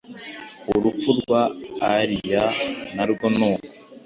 Urupfu rwa Aaliyah narwo nuko